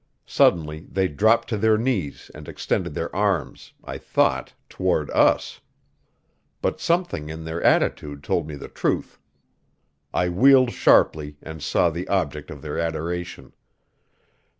Suddenly they dropped to their knees and extended their arms I thought toward us; but something in their attitude told me the truth. I wheeled sharply and saw the object of their adoration.